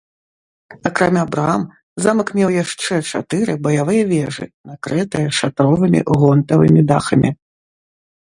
Акрамя брам замак меў яшчэ чатыры баявыя вежы, накрытыя шатровымі гонтавымі дахамі.